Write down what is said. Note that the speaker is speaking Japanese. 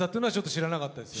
知らなかったです